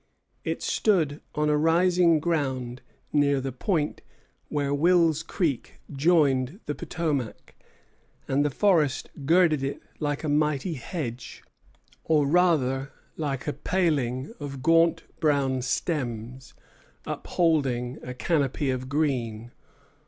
It stood on a rising ground near the point where Wills Creek joined the Potomac, and the forest girded it like a mighty hedge, or rather like a paling of gaunt brown stems upholding a canopy of green.